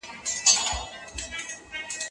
ایا د سني وژنه د اسلامي امر مطابق ده؟